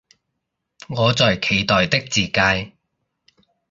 我在期待的自介